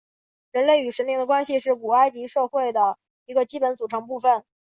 人类与神灵的关系是古埃及社会的一个基本组成部分。